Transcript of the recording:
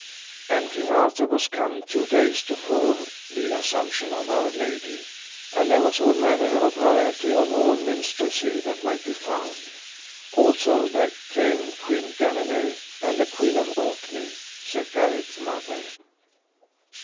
And King Arthur was come two days to fore the Assumption of our Lady. And there was all manner of royalty of all minstrelsy that might be found. Also there came Queen Guenever and the Queen of Orkney, Sir Gareth's mother.